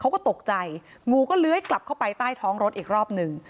เขาก็ตกใจงูก็เลื้อยกลับเข้าไปใต้ท้องรถอีกรอบหนึ่ง